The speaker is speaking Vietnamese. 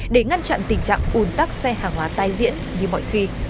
để ngăn chặn tình trạng ùn tắc xe hàng hóa tai diễn như mọi khi